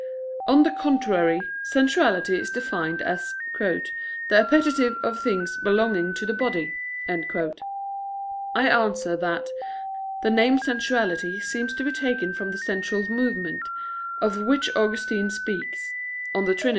On the contrary, Sensuality is defined as "the appetite of things belonging to the body." I answer that, The name sensuality seems to be taken from the sensual movement, of which Augustine speaks (De Trin.